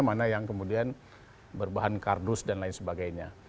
mana yang kemudian berbahan kardus dan lain sebagainya